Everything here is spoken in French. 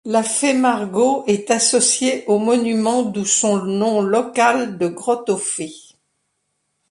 La fée Margot est associée au monument d'où son nom local de Grotte-aux-Fées.